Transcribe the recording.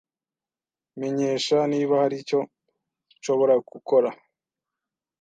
Menyesha niba hari icyo nshobora gukora.